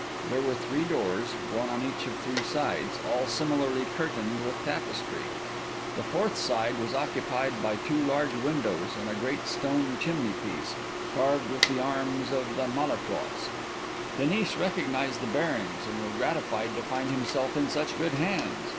There were three doors; one on each of three sides; all similarly curtained with tapestry. The fourth side was occupied by two large windows and a great stone chimney piece, carved with the arms of the Malétroits. Denis recognised the bearings, and was gratified to find himself in such good hands.